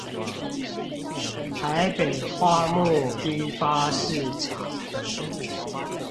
台北花木批發市場